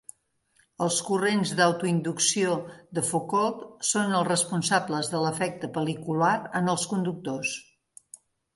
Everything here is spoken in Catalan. Els corrents d'autoinducció de Foucault són els responsables de l'efecte pel·licular en els conductors.